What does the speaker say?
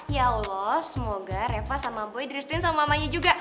ya allah semoga reva sama boyd christine sama mamanya juga